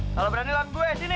kalo berani lagi gue sini